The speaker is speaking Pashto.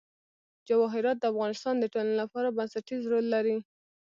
جواهرات د افغانستان د ټولنې لپاره بنسټيز رول لري.